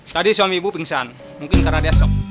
tadi suami ibu pingsan mungkin karena dia sok